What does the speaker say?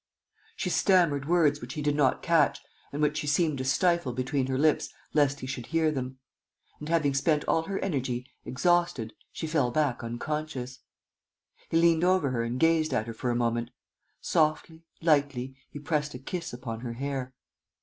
She stammered words which he did not catch and which she seemed to stifle between her lips lest he should hear them; and, having spent all her energy, exhausted, she fell back unconscious. He leant over her and gazed at her for a moment. Softly, lightly, he pressed a kiss upon her hair.